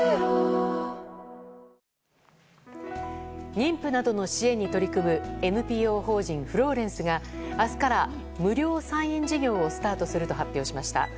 妊婦などの支援に取り組むＮＰＯ法人、フローレンスが明日から無料産院事業をスタートすると発表しました。